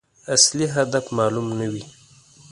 اصلي هدف معلوم نه وي.